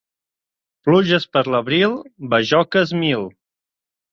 Pluges per l'abril, bajoques mil.